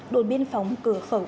đồn biên phóng cửa khẩu